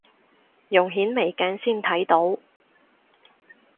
用顯微鏡先睇到